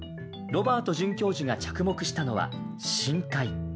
ロバート准教授が着目したのは深海。